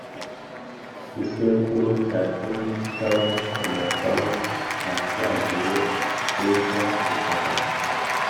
gisekuru cya cumi cy abamukomokaho ntihazagire uza murwanda